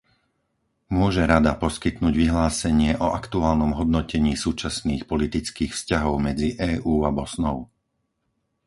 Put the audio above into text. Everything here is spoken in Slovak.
Môže Rada poskytnúť vyhlásenie o aktuálnom hodnotení súčasných politických vzťahov medzi EÚ a Bosnou?